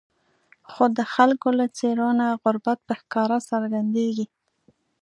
خو د خلکو له څېرو نه غربت په ښکاره څرګندېږي.